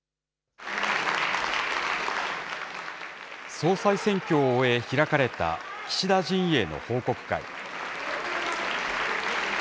総裁選挙を終え、開かれた岸田陣営の報告会。